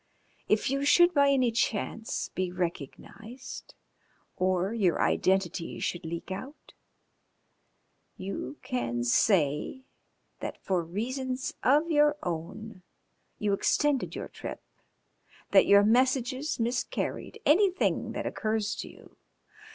If you should by any chance be recognised or your identity should leak out, you can say that for reasons of your own you extended your trip, that your messages miscarried, anything that occurs to you.